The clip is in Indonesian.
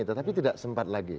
tetapi tidak sempat lagi